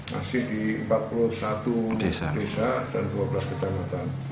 jadi masih di empat puluh satu desa dan dua belas kecamatan